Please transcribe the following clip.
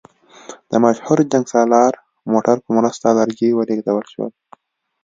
د مشهور جنګسالار موټرو په مرسته لرګي ولېږدول شول.